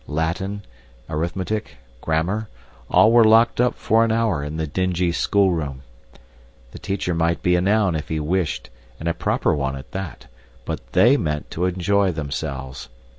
Latin, arithmetic, grammar all were locked up for an hour in the dingy schoolroom. The teacher might be a noun if he wished, and a proper one at that, but THEY meant to enjoy themselves.